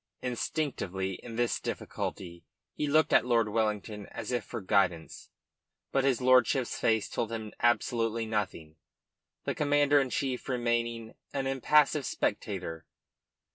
Instinctively in this difficulty he looked at Lord Wellington as if for guidance; but his lordship's face told him absolutely nothing, the Commander in Chief remaining an impassive spectator.